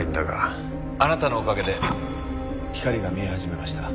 あなたのおかげで光が見え始めました。